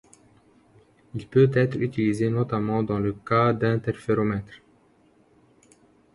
Il peut être utilisé notamment dans le cas d'interféromètres.